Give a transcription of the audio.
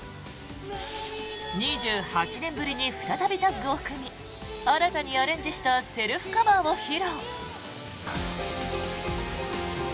２８年ぶりに再びタッグを組み新たにアレンジしたセルフカバーを披露。